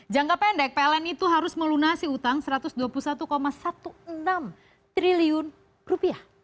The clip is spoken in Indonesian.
jangka pendek pln itu harus melunasi utang satu ratus dua puluh satu enam belas triliun rupiah